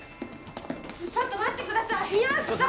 ちょっと待ってください宮内さん